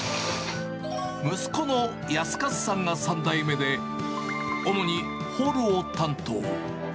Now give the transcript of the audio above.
息子の靖一さんが３代目で、主にホールを担当。